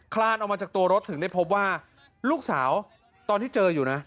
คลานออกมาจากตัวรถถึงได้พบว่าลูกสาวตอนที่เจออยู่นะ